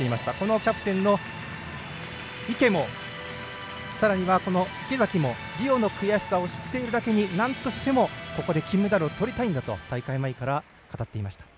キャプテンの池もさらには池崎もリオの悔しさを知っているだけになんとしてもここで金メダルをとりたいんだと大会前から語っていました。